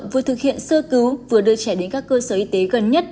vừa thực hiện sơ cứu vừa đưa trẻ đến các cơ sở y tế gần nhất